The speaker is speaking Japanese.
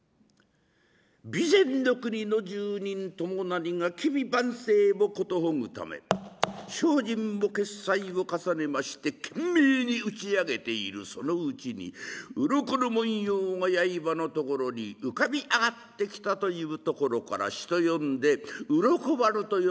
備前の国の住人友成が吉備万世を寿ぐため精進潔斎を重ねまして懸命に打ち上げているそのうちに鱗の文様が刃のところに浮かび上がってきたというところから人呼んで「鱗丸」と呼ばれております